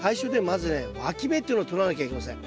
まずねわき芽っていうのを取らなきゃいけません。